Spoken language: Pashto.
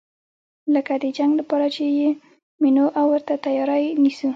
لکه د جنګ لپاره چې یې منو او ورته تیاری نیسو.